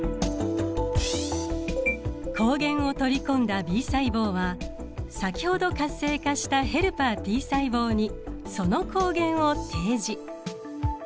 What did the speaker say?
抗原を取り込んだＢ細胞は先ほど活性化したヘルパーＴ細胞にその抗原を提示。